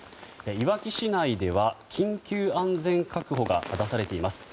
いわき市内では緊急安全確保が出されています。